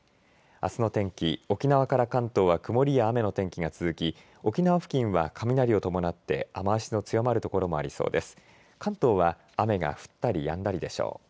あすの天気、沖縄から関東は曇りや雨の天気が続き沖縄付近は雷を伴って雨足の強まる所もありそうです。